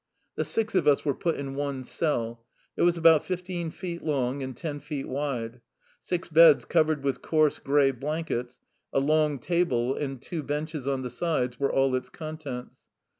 The six of us were put in one cell. It was about fifteen feet long and ten feet wide. Six beds covered with coarse, gray blankets, a long table, and two benches on the sides were all its contents.